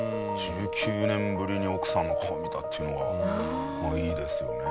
１９年ぶりに奥さんの顔見たっていうのがいいですよね。